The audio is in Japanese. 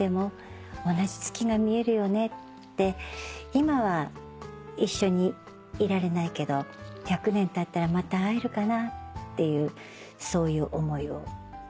「今は一緒にいられないけど１００年たったらまた会えるかな？」っていうそういう思いを書いてみました。